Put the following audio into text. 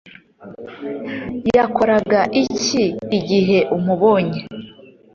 Yakoraga iki igihe umubonye